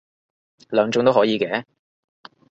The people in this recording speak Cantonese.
兩種都可以嘅